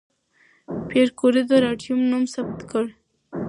پېیر کوري د راډیوم نوم ثبت کړ.